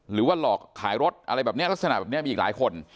หรือว่าหลอกขายรถอะไรแบบนี้ลักษณะแบบนี้มีอีกหลายคน